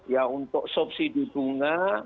ya untuk subsidi bunga